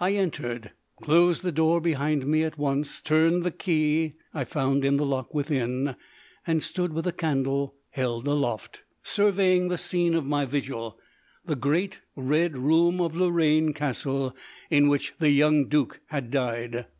I entered, closed the door behind me at once, turned the key I found in the lock within, and stood with the candle held aloft, surveying the scene of my vigil, the great red room of Lorraine Castle, in which the young duke had died.